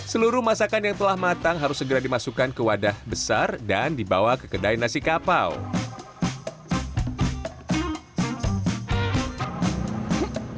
seluruh masakan yang telah matang harus segera dimasukkan ke wadah besar dan dibawa ke kedai nasi kapau